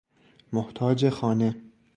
محتاج خانه